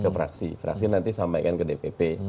ke fraksi fraksi nanti sampaikan ke dpp